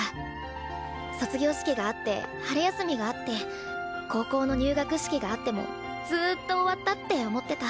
卒業式があって春休みがあって高校の入学式があってもずっと終わったって思ってた。